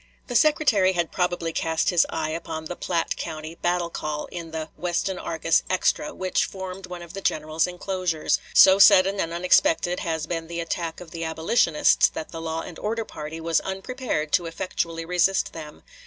" The Secretary had probably cast his eye upon the Platte County battle call in the "Weston Argus Extra," which formed one of the general's inclosures: "So sudden and unexpected has been the attack of the abolitionists that the law and order party was unprepared to effectually resist them.